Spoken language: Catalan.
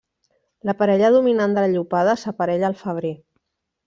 La parella dominant de la llopada s'aparella al febrer.